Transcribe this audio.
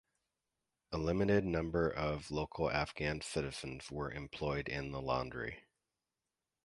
A limited number of local Afghan citizens were employed in the laundry.